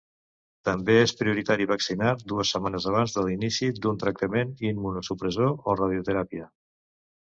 També és prioritari vaccinar dues setmanes abans de l’inici d’un tractament immunosupressor o radioteràpia.